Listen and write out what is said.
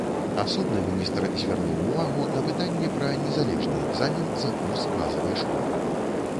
Асобна міністр звярнуў увагу на пытанне пра незалежны экзамен за курс базавай школы.